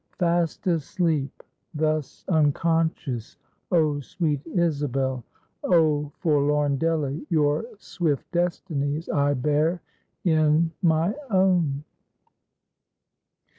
Fast asleep thus unconscious, oh sweet Isabel, oh forlorn Delly, your swift destinies I bear in my own!